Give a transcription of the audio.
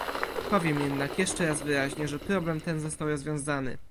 Powiem jednak jeszcze raz wyraźnie, że problem ten został rozwiązany